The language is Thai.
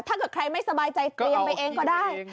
ถ้าเกิดใครไม่สบายใจเตรียมไปเองก็ได้